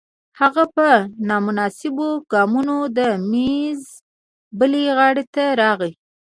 هغه په نامناسبو ګامونو د میز بلې غاړې ته راغی